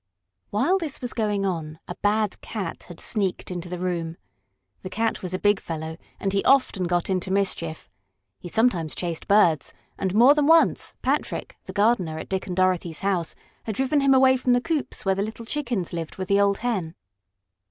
While this was going on a bad cat had sneaked into the room. The cat was a big fellow, and he often got into mischief. He sometimes chased birds, and, more than once, Patrick, the gardener at Dick and Dorothy's house, had driven him away from the coops where the little chickens lived with the old hen.